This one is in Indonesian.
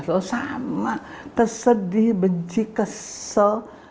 so sama kesedih benci kesel